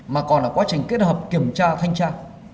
mà còn là quá trình kết hợp kiểm tra thanh tra